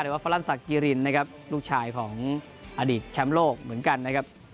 ว่าฟอลันสักกิรินนะครับลูกชายของอดีตแชมป์โลกเหมือนกันนะครับ